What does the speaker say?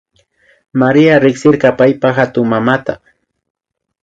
Maria riksirka paypa hatunmamata